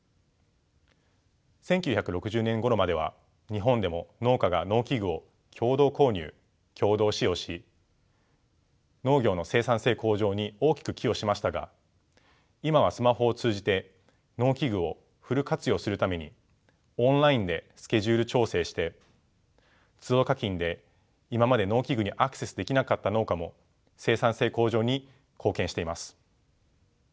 １９６０年ごろまでは日本でも農家が農機具を共同購入共同使用し農業の生産性向上に大きく寄与しましたが今はスマホを通じて農機具をフル活用するためにオンラインでスケジュール調整してつど課金で今まで農機具にアクセスできなかった農家も生産性向上に貢献しています。